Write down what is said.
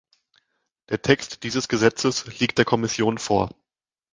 Der Text dieses Gesetzes liegt der Kommission vor.